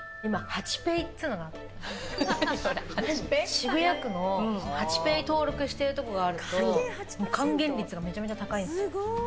渋谷区のハチペイ登録しているところあると還元率がめちゃめちゃ高いんです。